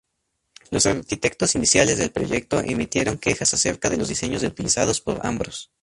Los arquitectos iniciales del proyecto emitieron quejas acerca de los diseños reutilizados por Ambrós.